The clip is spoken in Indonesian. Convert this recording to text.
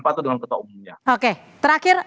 patuh dengan ketua umumnya oke terakhir